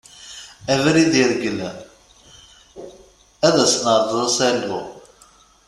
Abrid i reglen, ad s-nerreẓ asalu.